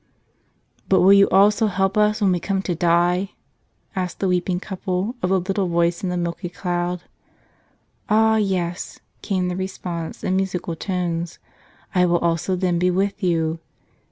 "But will you also help us when we come to die?" asked the weeping couple of the little voice in the milky cloud. "Ah, yes," came the response in musical tones, "I will also then be with you.